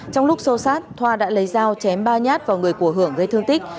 trong lúc sâu sát thoa đã lấy dao chém ba nhát vào người của hưởng gây thương tích